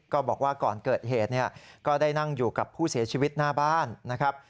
บอกว่าก่อนเกิดเหตุเนี่ยก็ได้นั่งอยู่กับผู้เสียชีวิตหน้าบ้านนะครับ